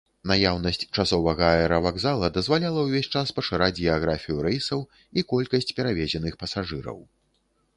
Наяўнасць часовага аэравакзала дазваляла ўвесь час пашыраць геаграфію рэйсаў і колькасць перавезеных пасажыраў.